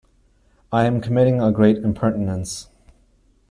I am committing a great impertinence.